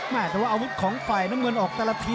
แต่ว่าอาวุธของฝ่ายน้ำเงินออกแต่ละที